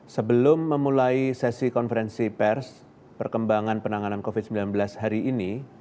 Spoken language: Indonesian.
sebelum memulai sesi konferensi pers perkembangan penanganan covid sembilan belas hari ini